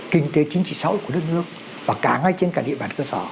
kinh tế chính trị xã hội của đất nước và cả ngay trên cả địa bàn cơ sở